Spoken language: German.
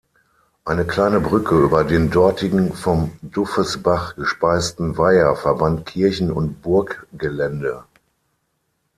Eine kleine Brücke über den dortigen vom Duffesbach gespeisten Weiher verband Kirchen- und Burggelände.